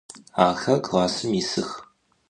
Axer klassım yisıx.